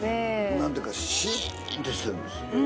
何ていうかシーンとしてるんですよ。